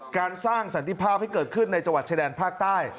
การสร้างสันติภาพให้เกิดขึ้นในจังหวัดชายแดนภาคใต้